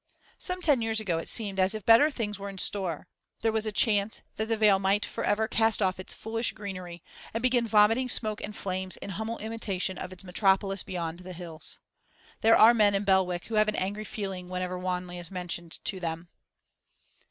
Some ten years ago it seemed as if better things were in store; there was a chance that the vale might for ever cast off its foolish greenery, and begin vomiting smoke and flames in humble imitation of its metropolis beyond the hills. There are men in Belwick who have an angry feeling whenever Wanley is mentioned to them.